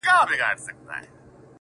د ريښې په توګه ښيي دلته ښکاره-